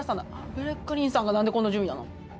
ブルックリンさんがなんでこんな順位なの？